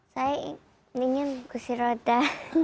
saya ingin kursi roda